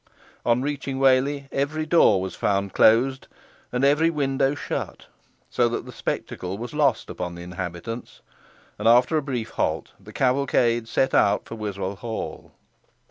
On reaching Whalley, every door was found closed, and every window shut; so that the spectacle was lost upon the inhabitants; and after a brief halt, the cavalcade get out for Wiswall Hall.